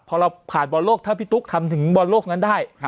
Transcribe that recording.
พอเราผ่านบอลโลกถ้าพี่ตุ๊กทำถึงบอลโลกนั้นได้